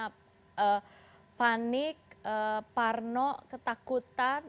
apakah panik parno ketakutan